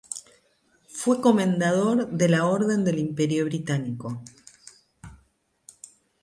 Fue comendador de la Orden del Imperio Británico.